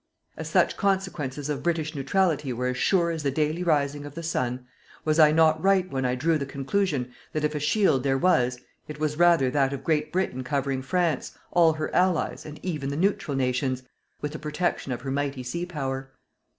As such consequences of British neutrality were as sure as the daily rising of the sun, was I not right when I drew the conclusion that if a shield there was, it was rather that of Great Britain covering France, all her allies and even the neutral nations, with the protection of her mighty sea power.